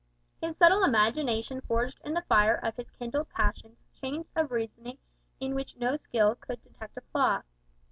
His subtle imagination forged in the fire of his kindled passions chains of reasoning in which no skill could detect a flaw.